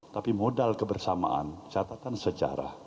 tapi modal kebersamaan catatan sejarah